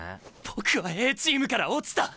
僕はＡチームから落ちた。